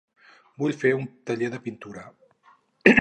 Vull fer un taller de pintura.